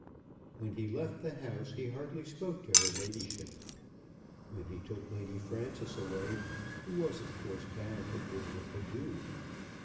When he left the house he hardly spoke to her ladyship. When he took Lady Frances away he was of course bound to bid her adieu.